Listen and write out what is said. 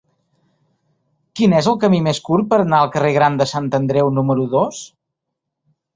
Quin és el camí més curt per anar al carrer Gran de Sant Andreu número dos?